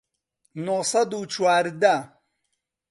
نۆ سەد و چواردە